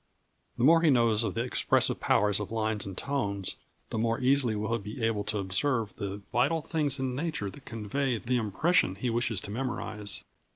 The more he knows of the expressive powers of lines and tones, the more easily will he be able to observe the vital things in nature that convey the impression he wishes to memorise.